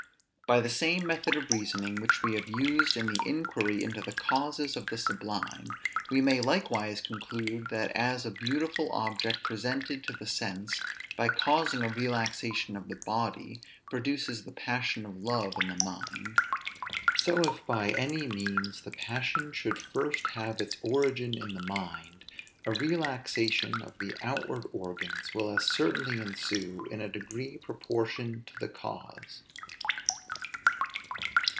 By the same method of reasoning which we have used in the inquiry into the causes of the sublime, we may likewise conclude, that as a beautiful object presented to the sense, by causing a relaxation of the body, produces the passion of love in the mind; so if by any means the passion should first have its origin in the mind, a relaxation of the outward organs will as certainly ensue in a degree proportioned to the cause.